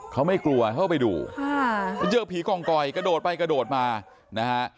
เขาไม่กลัวเขาก็ไปดูค่ะเจอผีกองกอยกระโดดไปกระโดดมานะฮะ